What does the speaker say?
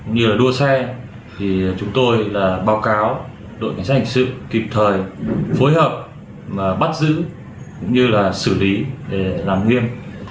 như đua xe chúng tôi báo cáo đội cảnh sát hành sự kịp thời phối hợp và bắt giữ cũng như xử lý để làm nghiêm